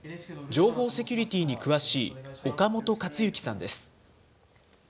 情報セキュリティーに詳しい岡本勝之さんです。